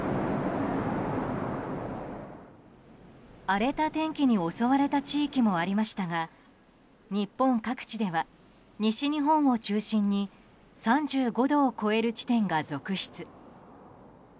荒れた天気に襲われた地域もありましたが日本各地では西日本を中心に３５度を超える地点が続出。